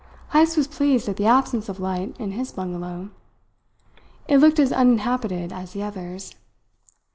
Heyst was pleased at the absence of light in his bungalow. It looked as uninhabited as the others.